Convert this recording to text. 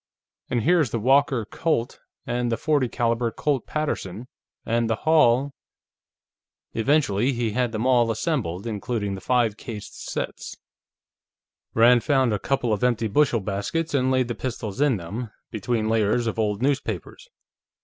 "And here is the Walker Colt, and the .40 caliber Colt Paterson, and the Hall...." Eventually, he had them all assembled, including the five cased sets. Rand found a couple of empty bushel baskets and laid the pistols in them, between layers of old newspapers.